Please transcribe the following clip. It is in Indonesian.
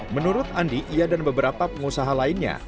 menurut andi ia dan beberapa pengusaha lainnya